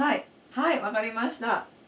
分かりました。